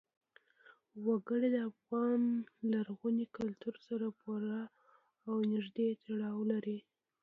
وګړي د افغان لرغوني کلتور سره پوره او نږدې تړاو لري.